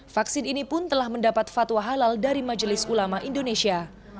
vaksin ini pun telah mendapat fatwa halal dari majelis ulama indonesia